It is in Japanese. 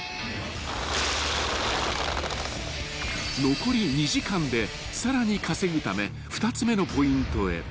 ［残り２時間でさらに稼ぐため２つ目のポイントへ］